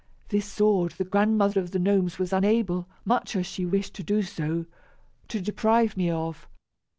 This sword, the Grandmother of the Gnomes was unable, much as she wished to do so, to deprive me of.